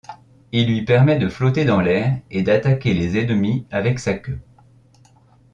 Il lui permet de flotter dans l'air et d'attaquer les ennemis avec sa queue.